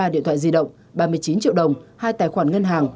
hai mươi ba điện thoại di động ba mươi chín triệu đồng hai tài khoản ngân hàng